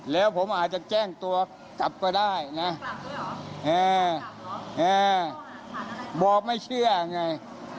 แล้วผมอาจจะแจ้งตัวกลับก็ได้นะบอกไม่เชื่อไง